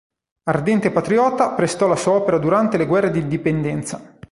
Ardente patriota, prestò la sua opera durante le guerre d'indipendenza.